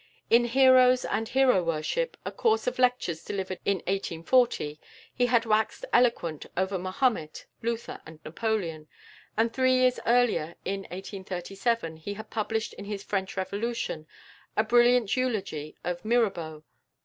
In "Heroes and Hero worship," a course of lectures delivered in 1840, he had waxed eloquent over Mahomet, Luther, and Napoleon, and three years earlier, in 1837, he had published in his "French Revolution" a brilliant eulogy of Mirabeau.